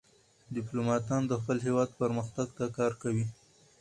ډيپلومات د خپل هېواد پرمختګ ته کار کوي.